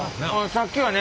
さっきはね